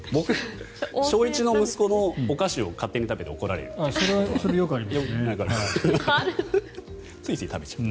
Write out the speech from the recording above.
小１の息子のお菓子を勝手に食べて怒られるという。